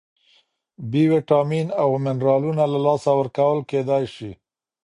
بی ویټامین او منرالونه له لاسه ورکول کېدای شي.